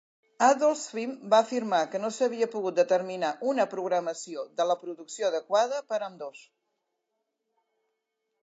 Adult Swim va afirmar que no s'havia pogut determinar una programació de la producció adequada per a ambdós.